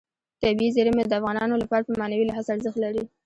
طبیعي زیرمې د افغانانو لپاره په معنوي لحاظ ارزښت لري.